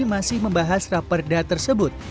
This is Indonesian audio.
masih membahas raperda tersebut